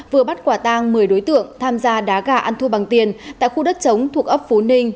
vừa bắt quả tang một mươi đối tượng tham gia đá gà ăn thua bằng tiền tại khu đất chống thuộc ấp phú ninh